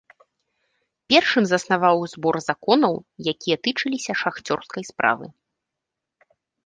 Першым заснаваў збор законаў, якія тычыліся шахцёрскай справы.